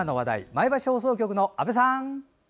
前橋放送局の阿部さん！